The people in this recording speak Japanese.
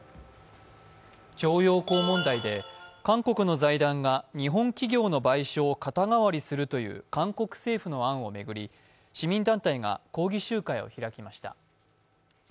徴用工問題で韓国の財団が日本企業の賠償を肩代わりするという韓国政府の案を巡り市民団体が抗議集会を開きました。